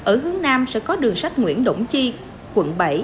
ở hướng nam sẽ có đường sách nguyễn đổng chi quận bảy